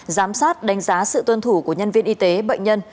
giám sát đánh giá sự tuân thủ của nhân viên y tế bệnh nhân